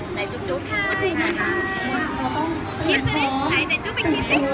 เสื้อจิ้มส่งอาหารไปด้วย